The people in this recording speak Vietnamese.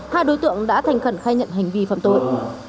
hai đối tượng đã thành khẩn khai nhận hành vi phạm tội